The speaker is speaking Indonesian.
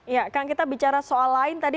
ya kang kita bicara soal lain tadi